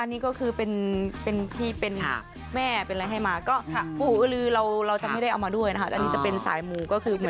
อันนี้ก็คือเป็นพี่เป็นแม่เป็นอะไรให้มาก็หรือเราทำไมต้องมาด้วยนะจะเป็นสายมู